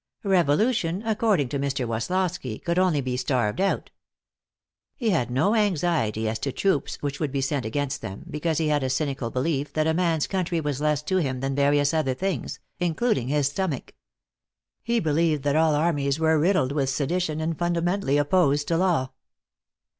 Revolution, according to Mr. Woslosky, could only be starved out. He had no anxiety as to troops which would be sent against them, because he had a cynical belief that a man's country was less to him than various other things, including his stomach. He believed that all armies were riddled with sedition and fundamentally opposed to law.